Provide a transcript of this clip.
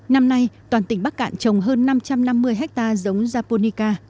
năm nay toàn tỉnh bắc cạn trồng hơn năm trăm năm mươi hectare giống japonica